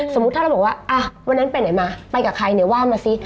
สมมุติถ้าเราบอกว่าอ่ะวันนั้นไปไหนมาไปกับใครเนี่ยว่ามาซิ